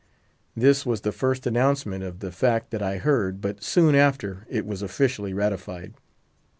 This was the first announcement of the fact that I heard; but soon after it was officially ratified.